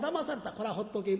これはほっとけん。